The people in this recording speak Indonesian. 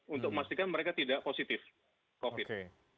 untuk memastikan mereka tidak positif covid